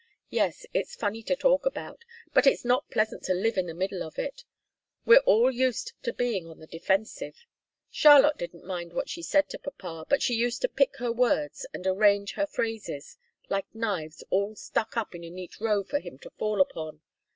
Yes, it's funny to talk about. But it's not pleasant to live in the middle of it. We're all used to being on the defensive. Charlotte didn't mind what she said to papa, but she used to pick her words and arrange her phrases like knives all stuck up in a neat row for him to fall upon.